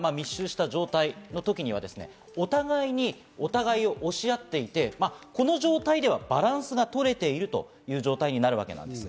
お互いにお互いを押し合っていて、この状態ではバランスを取れているという状況になります。